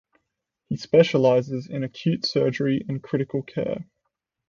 He specialises in acute surgery and critical care.